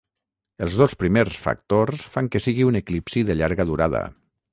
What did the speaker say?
Els dos primers factors fan que sigui un eclipsi de llarga durada.